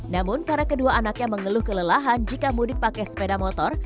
namun karena kedua anaknya mengeluh kelelahan jika mudik pakai sepeda motor